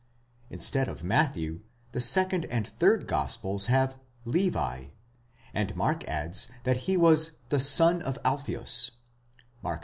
instead of Matthew, the second and third gospels have Zevz, and Mark adds he that was ¢he son of Alpheus (Mark ii.